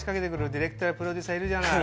ディレクターやプロデューサーいるじゃない。